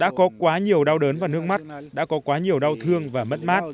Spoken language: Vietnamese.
đã có quá nhiều đau đớn và nước mắt đã có quá nhiều đau thương và mất mát